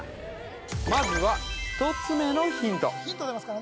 まずは１つ目のヒント